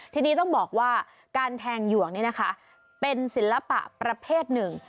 ทีนี้ต้องบอกว่าการแทงหยวกนี่นะคะเป็นศิลปะประเภทหนึ่ง